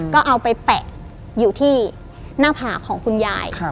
ก็เอาไปแปะอยู่ที่หน้าผากของคุณยาย